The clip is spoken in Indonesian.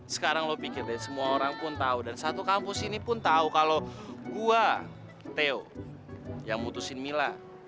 sekarang lo pikir deh semua orang pun tau dan satu kampus ini pun tau kalo gua theo yang mutusin mila